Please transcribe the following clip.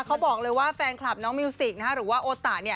เขาบอกเลยว่าแฟนคลับน้องมิวสิกหรือว่าโอตะเนี่ย